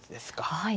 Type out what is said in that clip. はい。